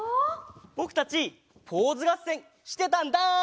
ぼくたちポーズがっせんしてたんだ！